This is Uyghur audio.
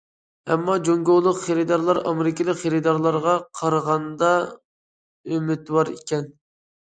ئەمما جۇڭگولۇق خېرىدارلار ئامېرىكىلىق خېرىدارلارغا قارىغاندا ئۈمىدۋار ئىكەن.